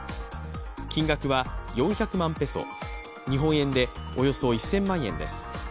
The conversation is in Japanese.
金額は４００万ペソ、日本円でおよそ１０００万円です。